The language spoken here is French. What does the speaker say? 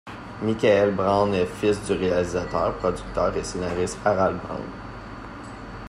Michael Braun est fils du réalisateur, producteur et scénariste Harald Braun.